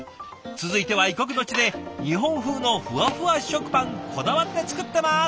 続いては異国の地で日本風のふわふわ食パンこだわって作ってます！